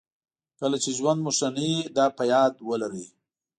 کله چې ژوند مو ښه نه وي دا په یاد ولرئ.